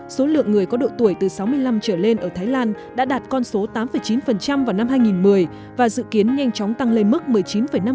số lượng người có độ tuổi từ sáu mươi năm trở lên ở thái lan đã đạt con số tám chín vào năm hai nghìn một mươi và dự kiến nhanh chóng tăng lên mức một mươi chín năm trong năm hai nghìn ba mươi